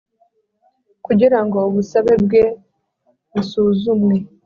Kugira ngo ubusabe bwe busuzumwe